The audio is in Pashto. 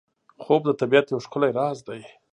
خوب د طبیعت یو ښکلی راز دی